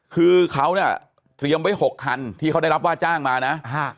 คือเขาเนี่ยเตรียมไว้๖คันที่เขาได้รับว่าจ้างมานะ